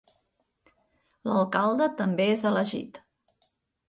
L'alcalde també és elegit.